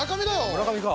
村上か。